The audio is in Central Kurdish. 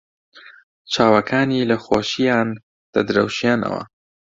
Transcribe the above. چاوەکانی لە خۆشییان دەدرەوشێنەوە.